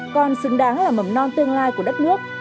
còn xứng đáng là mầm non tương lai của đất nước